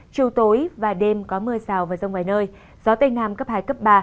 chiều tối và đêm có mưa rào và rông vài nơi gió tây nam cấp hai cấp ba